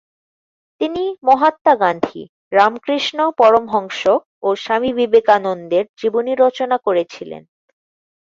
তিনি মহাত্মা গান্ধী, রামকৃষ্ণ পরমহংস ও স্বামী বিবেকানন্দের জীবনী রচনা করেছিলেন।